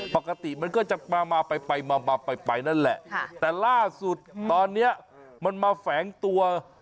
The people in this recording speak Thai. มันก็จะมาไปมาไปนั่นแหละแต่ล่าสุดตอนนี้มันมาแฝงตัว